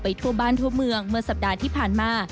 ทั่วบ้านทั่วเมืองเมื่อสัปดาห์ที่ผ่านมา